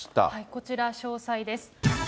こちら、詳細です。